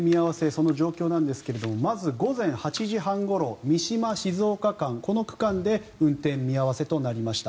その状況なんですがまず、午前８時半ごろ三島静岡間この区間で運転見合わせとなりました。